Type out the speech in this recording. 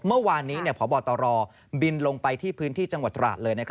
เมื่อวานนี้พบตรบินลงไปที่พื้นที่จังหวัดตราดเลย